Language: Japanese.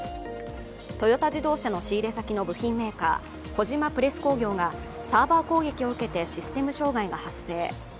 トヨタ自動車の仕入れ先の部品メーカー、小島プレス工業がサーバー攻撃を受けてシステム障害が発生。